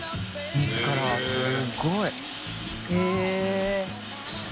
自らすごい。大島）